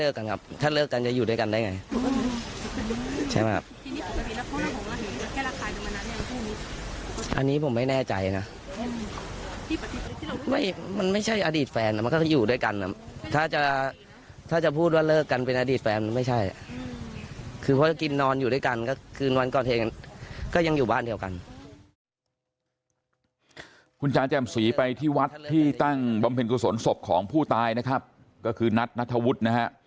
คุณจ๋าแจ่มสีไปที่วัดที่ตั้งบำเพ็ญกุศลศพของผู้ตายนะครับก็คือนัทนัทธวุฒินะฮะ